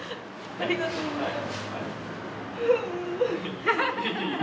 ありがとうございます。